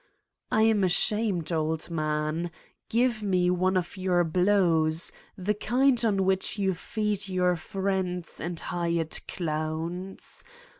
I am ashamed, old man. Give me one of your blows, the kind on which you feed your friends and hired clowns.